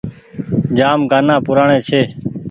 جآم گآنآ پرآني ڇي ۔